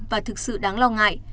và thực sự đáng lo ngại